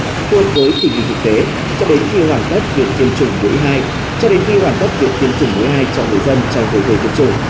thuê cuối tình hình thực tế cho đến khi hoàn tất việc tiến chủng mũi hai cho đến khi hoàn tất việc tiến chủng mũi hai cho người dân trong thời gian tiến chủng